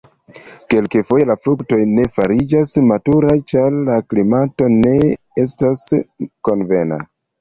Kelkfoje la fruktoj ne fariĝas maturaj, ĉar la klimato ne estas konvena.